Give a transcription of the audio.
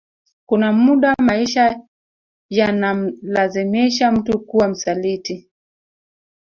Kuna muda maisha yanamlazimisha mtu kuwa msaliti